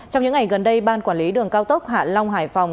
trong những ngày gần đây ban quản lý đường cao tốc hạ long hải phòng